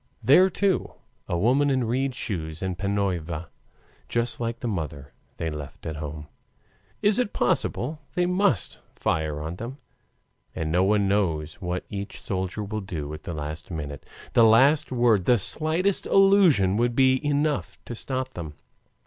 There, too, a woman in reed shoes and PANYOVA, just like the mother left at home. Is it possible they must fire on them? And no one knows what each soldier will do at the last minute. The least word, the slightest allusion would be enough to stop them.